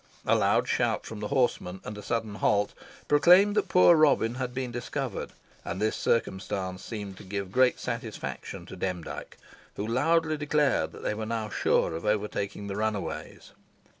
A loud shout from the horsemen, and a sudden halt, proclaimed that poor Robin had been discovered; and this circumstance seemed to give great satisfaction to Demdike, who loudly declared that they were now sure of overtaking the runaways.